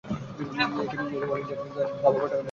এটি all India দাবা ফেডারেশনের সাথে সম্পর্কিত।